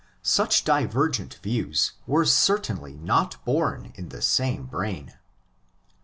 Such divergent views were certainly not born in the same brain.